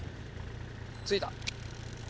着いた。